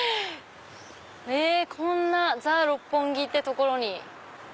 こんなザ六本木って所に。